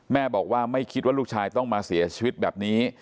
แม่บอกว่าไม่คิดว่าลูกชายต้องมาเสียชีวิตแบบนี้